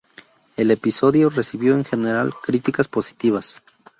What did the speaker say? El episodio recibió en general críticas positivas.